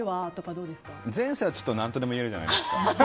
前世はちょっと何とでも言えるじゃないですか。